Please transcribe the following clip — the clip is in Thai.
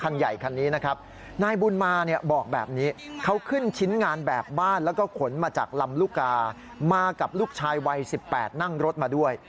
ลูกชายวัย๑๘ปีนั่งรถมาด้วย